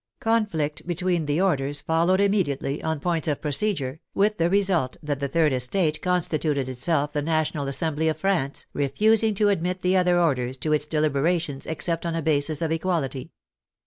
Conflict between the or ders followed immediately, on points of procedure, with the result that the third estate constituted itself the National Assembly of France, refusing to admit the other orders to its deliberations except on a basis of equality.